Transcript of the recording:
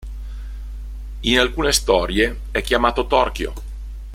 In alcune storie è chiamato Torchio.